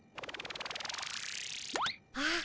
あっ。